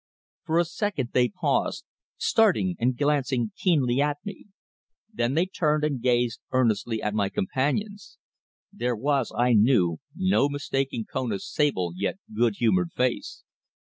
For a second they paused, starting and glancing keenly at me, then they turned and gazed earnestly at my companions. There was, I knew, no mistaking Kona's sable yet good humoured face.